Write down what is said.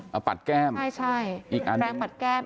ห้ะผัดแก้มอีกอันนึงอีกอันด้วยถ้าอย่างผัดแก้ม